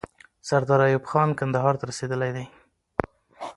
سردار ایوب خان کندهار ته رسیدلی دی.